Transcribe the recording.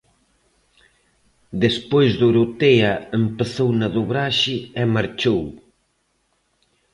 Despois Dorotea empezou na dobraxe e marchou.